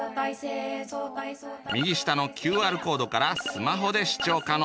右下のＱＲコードからスマホで視聴可能。